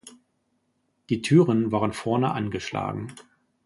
Die Türen waren vorne angeschlagen.